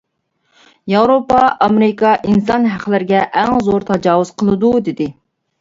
ياۋروپا، ئامېرىكا ئىنسان ھەقلىرىگە ئەڭ زور تاجاۋۇز قىلىدۇ، دېدى.